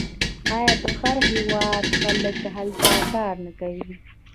آیا د هر هیواد خلک هلته کار نه کوي؟